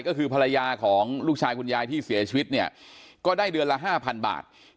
ก็คือภรรยาของลูกชายคุณยายที่เสียชีวิตเนี่ยก็ได้เดือนละ๕๐๐บาท